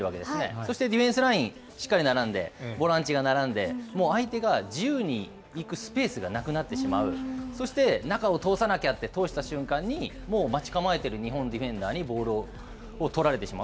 そしてディフェンスライン、しっかり並んで、ボランチがしっかり並んで、もう相手が自由にいくスペースがなくなってしまう、そして中を通さなきゃって通した瞬間に、もう待ち構えている日本ディフェンダーにボールを取られてしまう。